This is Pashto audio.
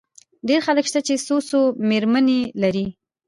ډېر خلک شته، چي څو څو مېرمنې لري.